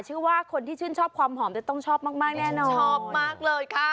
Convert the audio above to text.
ชื่อว่าคนที่ชื่นชอบความหอมจะต้องชอบมากแน่นอนชอบมากเลยค่ะ